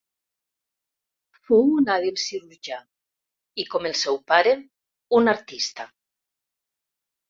Fou un hàbil cirurgià i, com el seu pare, un artista.